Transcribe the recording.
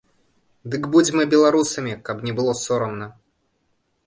Дык будзьма беларусамі, каб не было сорамна!